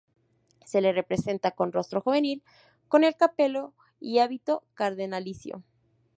Se le representa con rostro juvenil, con el capelo y hábito cardenalicio.